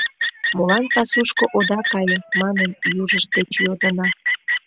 — Молан пасушко ода кае? — манын, южышт деч йодына.